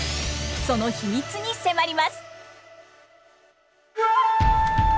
その秘密に迫ります。